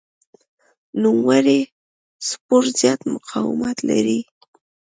نوموړی سپور زیات مقاومت لري.